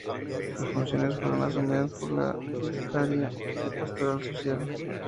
Sus funciones fueron asumidas por la Vicaría de Pastoral Social.